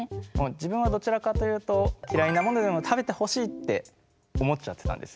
自分はどちらかというと嫌いなものでも食べてほしいって思っちゃってたんですよね。